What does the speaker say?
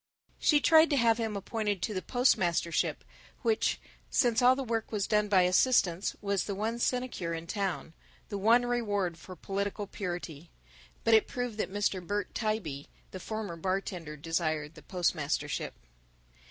She tried to have him appointed to the postmastership, which, since all the work was done by assistants, was the one sinecure in town, the one reward for political purity. But it proved that Mr. Bert Tybee, the former bartender, desired the postmastership.